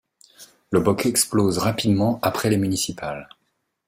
Le Bloc explose rapidement après les municipales.